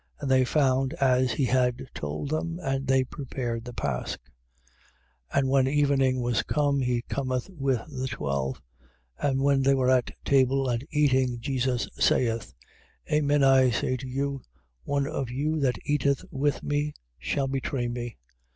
And they found as he had told them: and they prepared the pasch. 14:17. And when evening was come, he cometh with the twelve. 14:18. And when they were at table and eating, Jesus saith: Amen I say to you, one of you that eateth with me shall betray me.